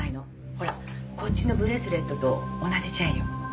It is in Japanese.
ほらこっちのブレスレットと同じチェーンよ。